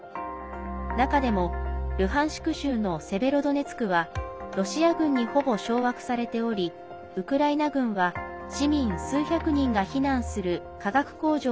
中でも、ルハンシク州のセベロドネツクはロシア軍に、ほぼ掌握されておりウクライナ軍は市民数百人が避難する化学工場